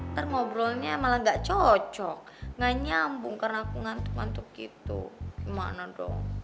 ntar ngobrolnya malah gak cocok gak nyambung karena aku ngantuk ngantuk gitu makna dong